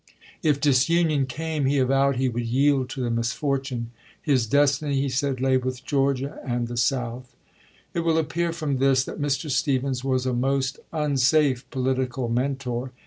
If disunion came juiy i, i860, he avowed he would yield to the misfortune. His p 672. ' destiny, he said, lay with Georgia and the South. It will appear from this that Mr. Stephens was a most unsafe political mentor.